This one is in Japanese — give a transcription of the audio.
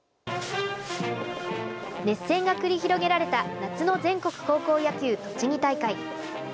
熱戦が繰り広げられた夏の全国高校野球栃木大会。